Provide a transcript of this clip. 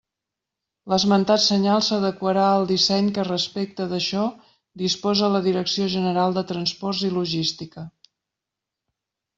L'esmentat senyal s'adequarà al disseny que respecte d'això dispose la Direcció General de Transports i Logística.